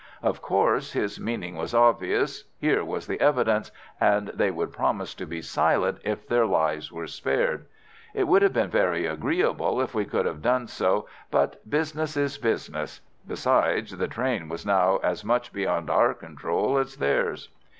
Of course, his meaning was obvious. Here was the evidence, and they would promise to be silent if their lives were spared. It would have been very agreeable if we could have done so, but business is business. Besides, the train was now as much beyond our control as theirs.